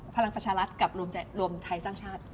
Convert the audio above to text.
พลังประชารัฐกับรวมไทยสร้างชาติ